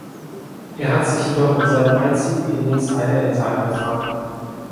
Er hat sich jedoch in seinem einzigen Innings eine Ente eingefangen.